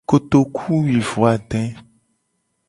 Kotokuwuiade.